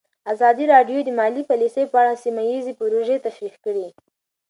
ازادي راډیو د مالي پالیسي په اړه سیمه ییزې پروژې تشریح کړې.